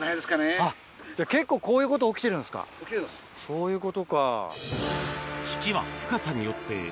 そういうことか。